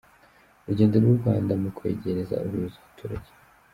Urugendo rw’u Rwanda mu kwegereza ubuyobozi abaturage.